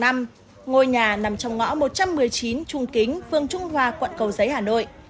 ngôi nhà nằm trong ngõ một trăm một mươi chín trung kính phương trung hoa quận cầu giấy hà nội